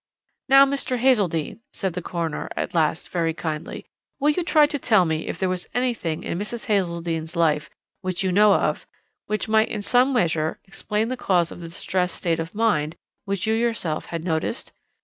"'Now, Mr. Hazeldene,' said the coroner at last very kindly, 'will you try to tell me if there was anything in Mrs. Hazeldene's life which you know of, and which might in some measure explain the cause of the distressed state of mind, which you yourself had noticed?